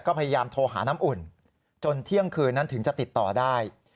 ก็พยายามโทรหาน้ำอุ่นจนเที่ยงคืนนั้นถึงจะติดต่อได้